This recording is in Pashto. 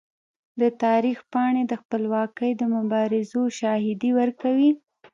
د تاریخ پاڼې د خپلواکۍ د مبارزو شاهدي ورکوي.